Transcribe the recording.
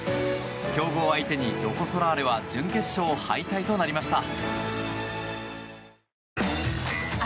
強豪を相手にロコ・ソラーレは準決勝敗退となりました。